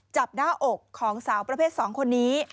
จับหน้าอกของสาวประเภท๒คนนี้